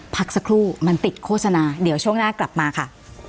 พักสักครู่มันติดโฆษณาเดี๋ยวช่วงหน้ากลับมาค่ะ